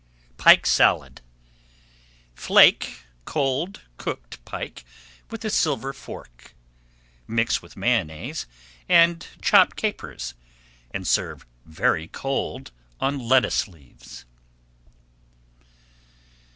PIKE SALAD Flake cold cooked pike with a silver fork, [Page 250] mix with Mayonnaise and chopped capers, and serve very cold on lettuce leaves.